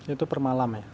itu per malam ya